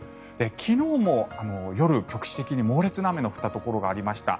昨日も夜、局地的に猛烈な雨が降ったところがありました。